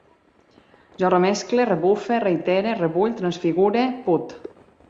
Jo remescle, rebufe, reitere, rebull, transfigure, put